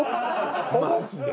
マジで。